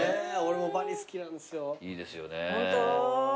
いいですよね。